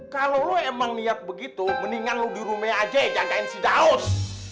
kalo lo emang niat begitu mendingan lo dirumah aja ya jagain si daus